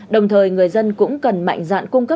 đồng thời người dân cũng cần mạnh dạn cung cấp